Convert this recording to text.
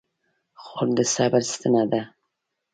خور د صبر ستنه ده.